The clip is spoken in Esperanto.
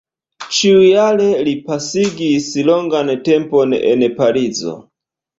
Ĉiujare li pasigis longan tempon en Parizo.